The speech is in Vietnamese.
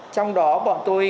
trong đó bọn tôi